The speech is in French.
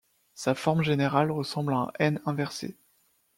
Sa forme générale ressemble à un N inversé.